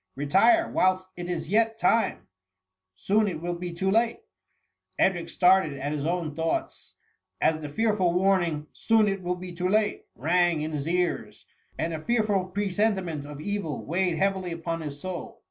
Retire whilst it is yet time ; soon it will be too late !" £dric started at his own thoughts, as the fearful warning, " soon it will be too late,^ rang in his ears ; and a fearful presentiment of evil weighed heavily upon his soul.